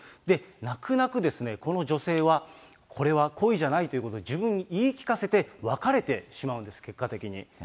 泣く泣くこの女性は、これは恋じゃないということで自分に言い聞かせて別れてしまうんです、結果的に。